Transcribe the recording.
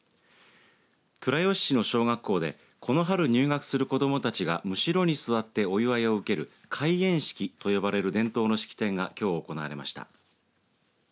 倉吉市の小学校でこの春、入学する子どもたちがむしろに座ってお祝いを受ける開莚式と呼ばれる伝統の式典がきょう行われました。